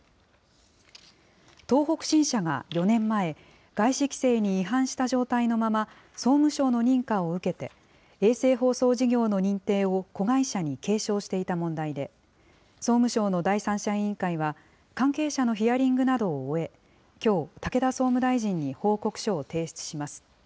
東北新社が４年前、外資規制に違反した状態のまま総務省の認可を受けて、衛星放送事業の認定を子会社に継承していた問題で、総務省の第三者委員会は、関係者のヒアリングなどを終え、きょう、武田総務大臣に報告書を提出します。